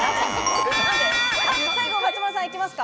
最後、松丸さん行きますか？